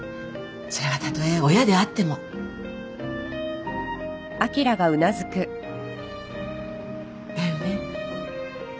それがたとえ親であっても。だよね？